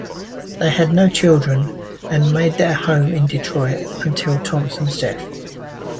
They had no children and made their home in Detroit until Thompson's death.